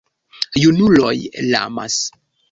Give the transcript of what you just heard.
Junuloj lamas.